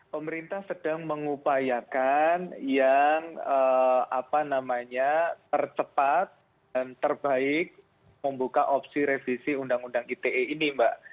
pemerintah sedang mengupayakan yang tercepat dan terbaik membuka opsi revisi undang undang ite ini mbak